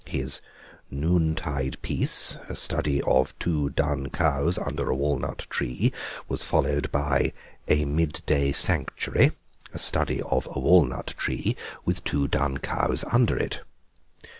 His "Noontide Peace," a study of two dun cows under a walnut tree, was followed by "A Mid day Sanctuary," a study of a walnut tree, with two dun cows under it.